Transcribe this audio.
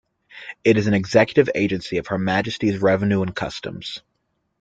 It is an executive agency of Her Majesty's Revenue and Customs.